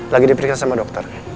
lagi diperiksa sama dokter